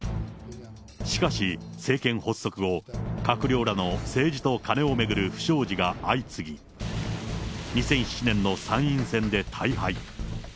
しかし、政権発足後、閣僚らの政治と金を巡る不祥事が相次ぎ、２００７年の参院選で大敗。